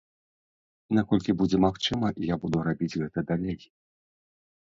Наколькі будзе магчыма, я буду рабіць гэта далей.